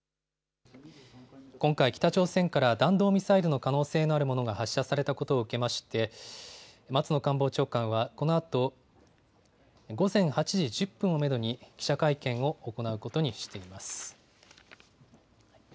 今回、北朝鮮から弾道ミサイルの可能性のあるものが発射されたことを受けまして、松野官房長官はこのあと午前８時１０分をメドに、記者会見を行うことにしています。